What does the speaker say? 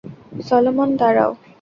Solomon, দাঁড়াও!